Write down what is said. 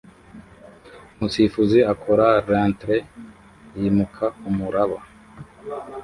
Umusifuzi akora reentry yimuka kumuraba